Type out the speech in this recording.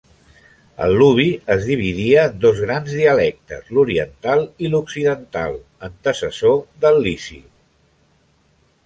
El luvi es dividia en dos grans dialectes: l'oriental i l'occidental, antecessor del lici.